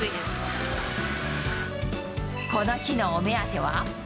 この日のお目当ては。